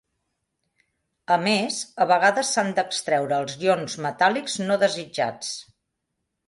A més, a vegades s"han d"extreure els ions metàl·lics no desitjats.